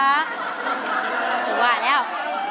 ถูกว่าแล้ว